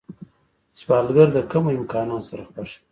سوالګر د کمو امکاناتو سره خوښ وي